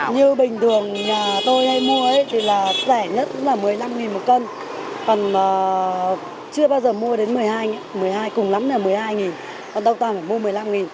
như bình thường nhà tôi hay mua thì rẻ nhất là một mươi năm đồng một kg còn chưa bao giờ mua đến một mươi hai đồng cùng lắm là một mươi hai đồng còn tổng toàn mua một mươi năm đồng